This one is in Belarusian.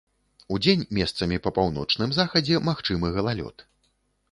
Удзень месцамі па паўночным захадзе магчымы галалёд.